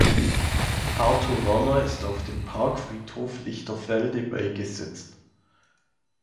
Arthur Werner ist auf dem Parkfriedhof Lichterfelde beigesetzt.